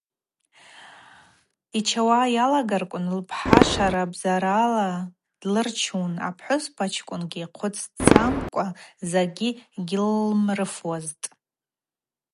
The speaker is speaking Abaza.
Йчауа йалагарквын лпхӏа шарабзарала длырчун, апхӏвыспачкӏвын хъвыдзццамкӏва закӏгьи гьыллымрыфуазтӏ.